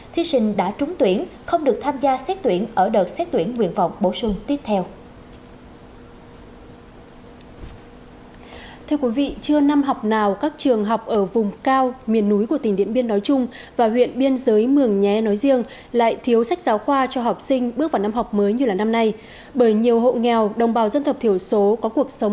thí sinh đã trúng tuyển không được tham gia xét tuyển ở đợt xét tuyển nguyện phòng bổ sinh tiếp theo